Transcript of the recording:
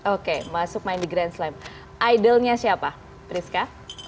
oke masuk main di grand slam idolnya siapa priska